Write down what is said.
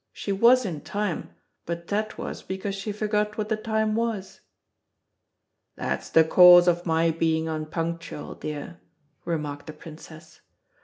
"She was in time, but that was because she forgot what the time was." "That's the cause of my being unpunctual, dear," remarked the Princess.